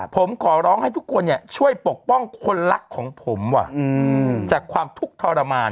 ผมขอร้องให้ทุกคนช่วยปกป้องคนรักของผมว่ะจากความทุกข์ทรมาน